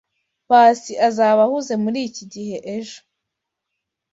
Pacy azaba ahuze muriki gihe ejo.